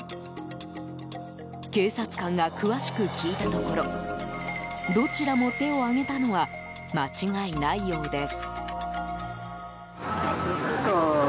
警察官が詳しく聞いたところどちらも手を上げたのは間違いないようです。